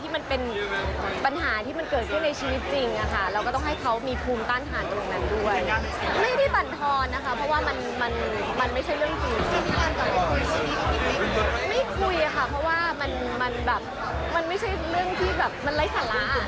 มันไม่ใช่เรื่องที่ไร้สละ